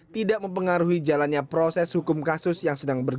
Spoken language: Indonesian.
tidak mempengaruhi jalannya proses hukum kasus yang sedang berjalan